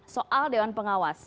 soal dewan pengawas